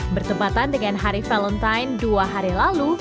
bertempatan dengan hari valentine dua hari lalu